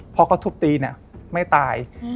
พอเขาทุบตีไม่ตาย